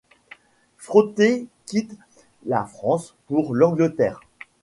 Frotté quitte la France pour l'Angleterre.